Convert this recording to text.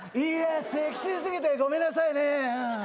セクシー過ぎてごめんなさい。